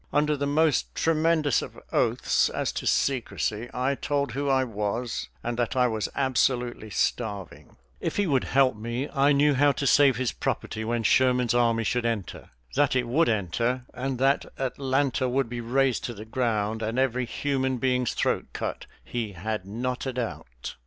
Under the most tremendous of oaths as to secrecy, I told who I was and that I was absolutely starving. If he would help me, I knew how to save his property when Sherman's army should enter. That it would enter, and that Atlanta would be razed to the ground, and every human being's throat cut, he had not a doubt.